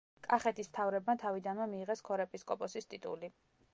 კახეთის მთავრებმა თავიდანვე მიიღეს ქორეპისკოპოსის ტიტული.